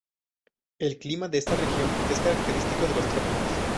El clima de esta región es característico de los trópicos.